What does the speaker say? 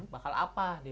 bakal apa karena